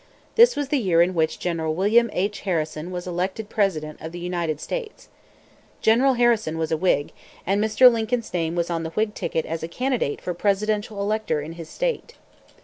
This was the year in which General William H. Harrison was elected president of the United States. General Harrison was a Whig; and Mr. Lincoln's name was on the Whig ticket as a candidate for presidential elector in his state.